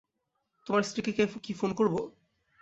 তোমার স্ত্রীকে কি ফোন করবো?